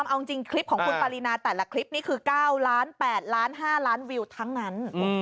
เอาจริงคลิปของคุณปารีนาแต่ละคลิปนี้คือ๙๘ล้าน๕ล้านวิวทั้งนั้น